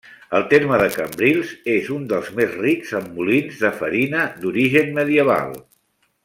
El terme de Cambrils és un dels més rics amb molins de farina d'origen medieval.